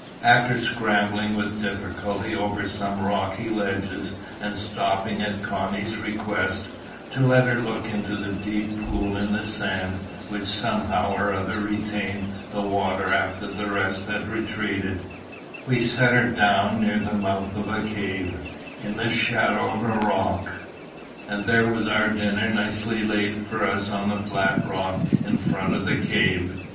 After scrambling with difficulty over some rocky ledges, and stopping at Connie's request, to let her look into a deep pool in the sand, which somehow or other retained the water after the rest had retreated, we set her down near the mouth of a cave, in the shadow of a rock. And there was our dinner nicely laid for us on a flat rock in front of the cave.